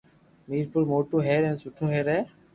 ميرپور موٽو ھير ھين سٺو ھي